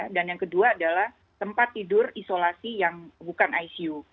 dan yang kedua adalah tempat tidur isolasi yang bukan icu